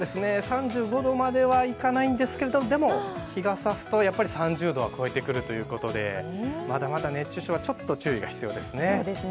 ３５度まではいかないんですけれども、日がさすとやっぱり３０度は超えてくるということで、まだまだ熱中症はちょっと注意が必要ですね。